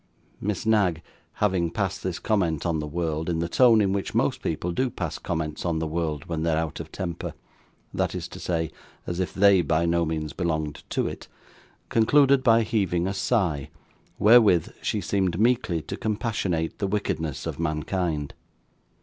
Miss Knag, having passed this comment on the world, in the tone in which most people do pass comments on the world when they are out of temper, that is to say, as if they by no means belonged to it, concluded by heaving a sigh, wherewith she seemed meekly to compassionate the wickedness of mankind.